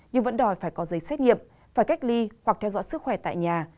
nhưng vẫn đòi phải có giấy xét nghiệm phải cách ly hoặc theo dõi sức khỏe tại nhà